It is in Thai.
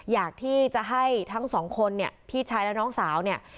อยากที่จะให้ทั้งสองคนเนี่ยพี่ชายและน้องสาวเนี่ย